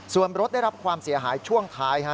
ส่วนรถได้รับความเสียหายช่วงท้าย